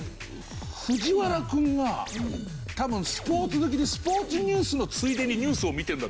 藤原くんが多分スポーツ好きでスポーツニュースのついでにニュースを見てるんだと思う。